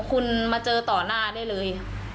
คุณมาเจอต่อหน้าได้เลย